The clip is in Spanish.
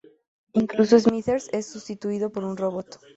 Incluso Smithers es sustituido por un robot.